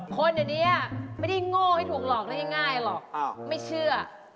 คนเดี๋ยวนี้ไม่ใช่หงวกให้ถูกหรอกละยังไงไม่เชื่อ